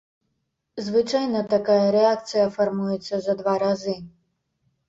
Звычайна такая рэакцыя фармуецца за два разы.